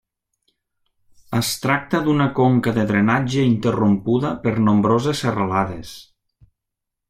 Es tracta d'una conca de drenatge interrompuda per nombroses serralades.